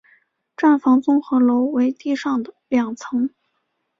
站房综合楼为地上两层。